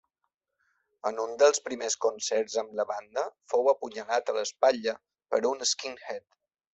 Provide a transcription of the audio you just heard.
En un dels primers concerts amb la banda fou apunyalat a l'espatlla per un skinhead.